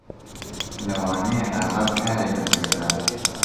لەوانەیە ئازاد کارێکم پێ بدات.